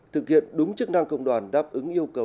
thực hiện đúng chức năng công đoàn đáp ứng yêu cầu